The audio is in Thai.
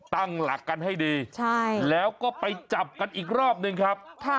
ตั้งหลักกันให้ดีแล้วก็ไปจับกันอีกรอบหนึ่งครับ